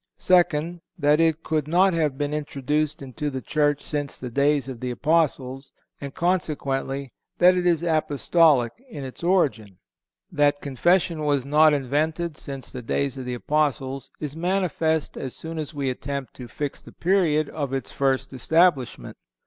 Second—That it could not have been introduced into the Church since the days of the Apostles, and consequently that it is Apostolic in its origin. That Confession was not invented since the days of the Apostles is manifest as soon as we attempt to fix the period of its first establishment.